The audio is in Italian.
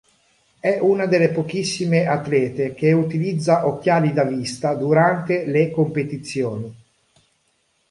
È una delle pochissime atlete che utilizza occhiali da vista durante le competizioni.